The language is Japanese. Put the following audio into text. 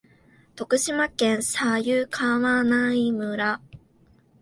徳島県佐那河内村